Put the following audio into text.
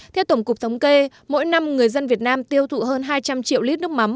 theo tổng cục thống kê mỗi năm người dân việt nam tiêu thụ hơn hai trăm linh triệu lít nước mắm